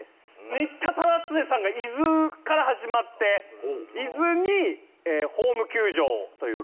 仁田忠常さんが伊豆から始まって伊豆にホーム球場というかなんていうんですかね。